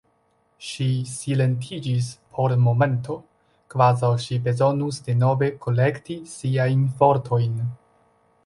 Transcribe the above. Ŝi silentiĝis por momento, kvazaŭ ŝi bezonus denove kolekti siajn fortojn.